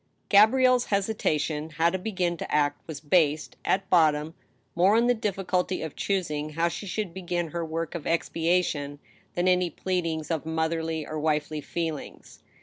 Gabrielle's hesitation how to begin to act was based, at bot tom, more on the difficulty of choosing how she should begin her work of expiation than any pleadings of motherly or wifely feelings.